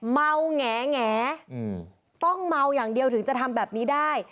เมาแงต้องเมาอย่างเดียวถึงจะทำแบบนี้ได้